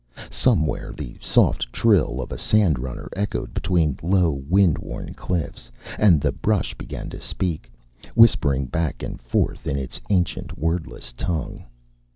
Somewhere the soft trill of a sandrunner echoed between low wind worn cliffs, and the brush began to speak, whispering back and forth in its ancient wordless tongue.